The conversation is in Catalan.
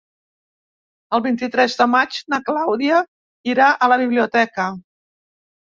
El vint-i-tres de maig na Clàudia irà a la biblioteca.